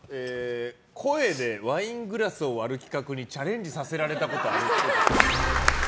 声でワイングラスを割る企画にチャレンジさせられたことあるっぽい。